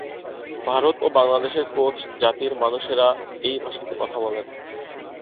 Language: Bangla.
ভারত ও বাংলাদেশের কোচ জাতির মানুষেরা এই ভাষাতে কথা বলেন।